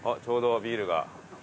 ちょうどビールが。